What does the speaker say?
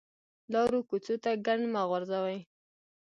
لارو کوڅو ته ګند مه غورځوئ